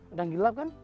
sudah mengkilap kan